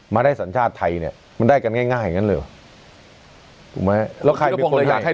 มาได้สรรชาติไทยไอ้มันได้กันง่ายเงี้ยก้มไอ้ก็รอยใคร